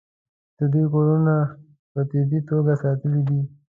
د دوی کورونه په طبیعي توګه ساتلي دي.